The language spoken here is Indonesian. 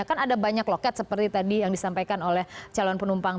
kan ada banyak loket seperti tadi yang disampaikan oleh calon penumpang